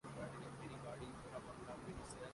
Japan میں شدت اختیار کرچکا ہے